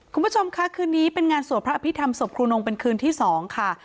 คุณผู้ชมค่ะคืนนี้เป็นงานสวดพระอภิษฐรรศพครูนงเป็นคืนที่๒ค่ะ